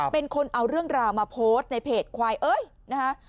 เป็นคนเอาเรื่องราวมาโพสต์ในเพจควายเอ้ยนะฮะ